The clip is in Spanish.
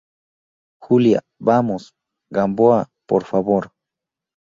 Julia, vamos. Gamboa, por favor.